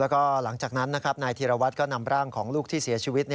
แล้วก็หลังจากนั้นนายธีรวัตรก็นำร่างของลูกที่เสียชีวิต